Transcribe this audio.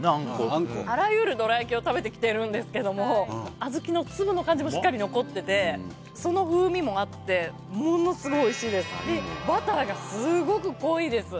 あんこあらゆるどらやきを食べてきてるんですけども小豆の粒の感じもしっかり残っててその風味もあってものすごいおいしいですでですね